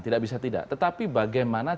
tidak bisa tidak tetapi bagaimana